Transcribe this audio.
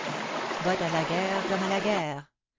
But a la guerre comme a la guerre.